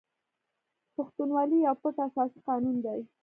پښتونولي یو پټ اساسي قانون دی.